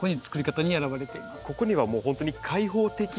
ここにはもう本当に開放的で。